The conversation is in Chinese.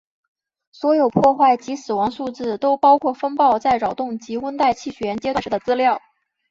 所有破坏及死亡数字都包括风暴在扰动及温带气旋阶段时的资料。